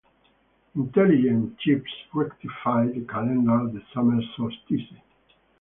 Intelligent chiefs rectify the calendar at the summer solstice.